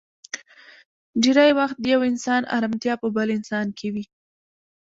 ډېری وخت د يو انسان ارمتيا په بل انسان کې وي.